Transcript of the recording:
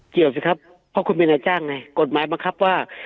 สิครับเพราะคุณเป็นนายจ้างไงกฎหมายบังคับว่า